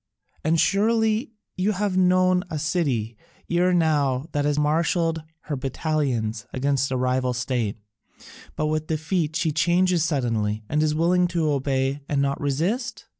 And surely you have known a city ere now that has marshalled her battalions against a rival state, but with defeat she changes suddenly and is willing to obey and not resist?"